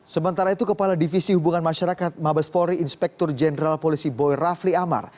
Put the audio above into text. sementara itu kepala divisi hubungan masyarakat mabes polri inspektur jenderal polisi boy rafli amar